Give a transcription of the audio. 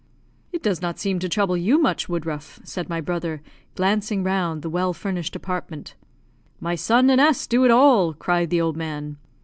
"It does not seem to trouble you much, Woodruff," said my brother, glancing round the well furnished apartment. "My son and S do it all," cried the old man.